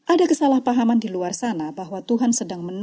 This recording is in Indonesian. ada kesalahpahaman di luar sana bahwa tuhan sedang menurutkan